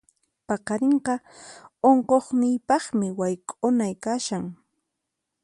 Paqarinqa unquqniypaqmi wayk'unay kashan.